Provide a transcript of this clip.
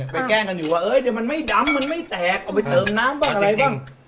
แกล้งกันอยู่ว่าเดี๋ยวมันไม่ดำมันไม่แตกเอาไปเติมน้ำบ้างอะไรบ้าง